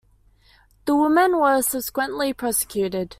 The woman was subsequently prosecuted.